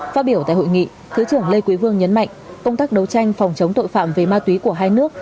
phát biểu tại hội nghị thứ trưởng lê quý vương nhấn mạnh công tác đấu tranh phòng chống tội phạm về ma túy của hai nước